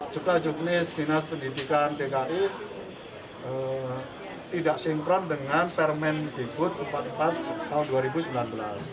juga juknis dinas pendidikan dki tidak sinkron dengan permendikbud empat puluh empat tahun dua ribu sembilan belas